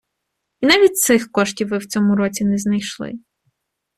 І навіть цих коштів ви в цьому році не знайшли.